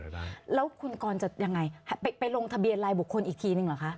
แล้วคุณกรจะยังไงไปลงทะเบียนรายบุคคลอีกทีนึงเหรอคะ